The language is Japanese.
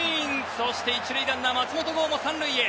そして、１塁ランナー松本剛も３塁へ。